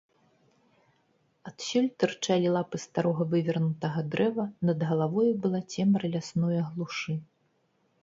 Адсюль тырчалі лапы старога вывернутага дрэва, над галавою была цемра лясное глушы.